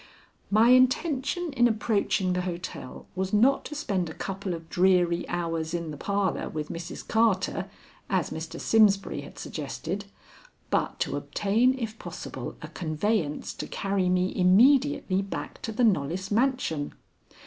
My intention in approaching the hotel was not to spend a couple of dreary hours in the parlor with Mrs. Carter, as Mr. Simsbury had suggested, but to obtain if possible a conveyance to carry me immediately back to the Knollys mansion.